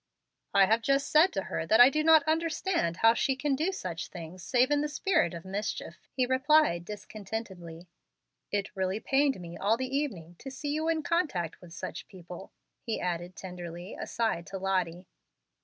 "I have just said to her that I do not understand how she can do such things save in the spirit of mischief," he replied, discontentedly. "It really pained me all the evening to see you in contact with such people," he added tenderly, aside to Lottie.